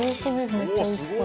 めっちゃおいしそう。